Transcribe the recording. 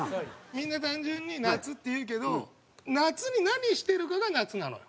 みんな単純に「夏」って言うけど夏に何してるかが夏なのよ。